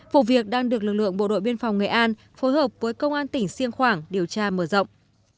vụ việc đang được lực lượng bộ đội biên phòng nghệ an phối hợp với công an tỉnh siêng khoảng điều tra mở rộng